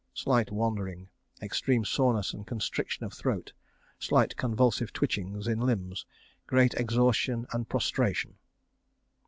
Slight wandering. Extreme soreness and constriction of throat. Slight convulsive twitchings in limbs. Great exhaustion and prostration.